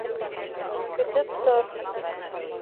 Көтөп тор.